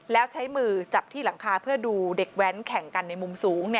แล้วใช้มือจับที่หลังคาเพื่อดูเด็กแว้นแข่งกันในมุมสูง